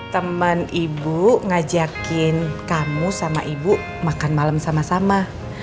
teman ibu ngajakin kamu sama ibu makan malam sama sama